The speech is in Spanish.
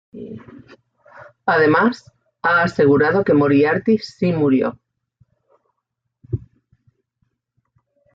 Además, ha asegurado que Moriarty sí murió.